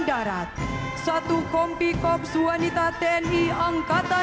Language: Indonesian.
di bawah pimpinan mayor arhanud i